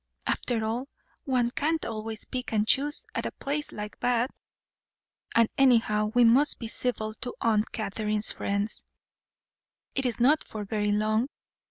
After all, one can't always pick and choose at a place like Bath, and, anyhow, we must be civil to Aunt Catherine's friends it is not for very long.